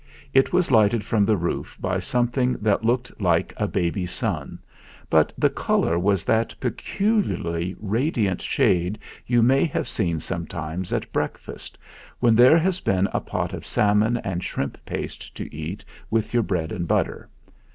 It was lighted from the roof by something that looked like a baby sun ; but the colour was that pecul iarly radiant shade you may have seen some times at breakfast when there has been a pot of salmon and shrimp paste to eat with your bread and butter.